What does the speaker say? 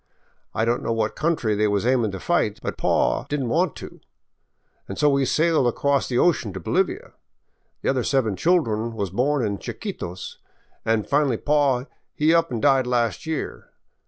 I don't know what country they was aimin' to fight, but paw he did n't want to, 'n' so we sailed across the ocean to Bolivia. The other seven children was born in Chiquitos, an' finally paw he up an' died last year.